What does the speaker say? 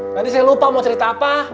tadi saya lupa mau cerita apa